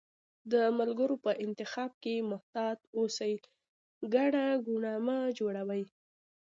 د ملګرو په انتخاب کښي محتاط اوسی، ګڼه ګوڼه مه جوړوی